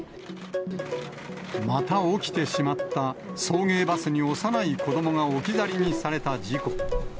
また起きてしまった、送迎バスに幼い子どもが置き去りにされた事故。